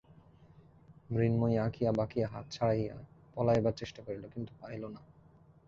মৃন্ময়ী আঁকিয়া বাঁকিয়া হাত ছাড়াইয়া পলাইবার চেষ্টা করিল, কিন্তু পারিল না।